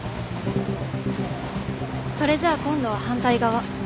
それじゃあ今度は反対側。